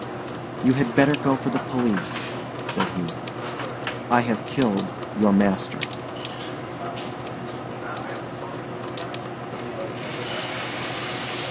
"You had better go for the police," said he; "I have killed your master."